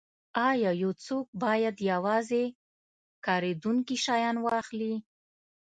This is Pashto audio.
ایا یو څوک باید یوازې کاریدونکي شیان واخلي